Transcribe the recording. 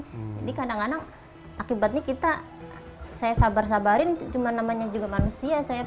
jadi kadang kadang akibatnya kita saya sabar sabarin cuma namanya juga manusia